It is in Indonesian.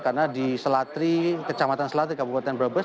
karena di selatri kecamatan selatri kabupaten brebes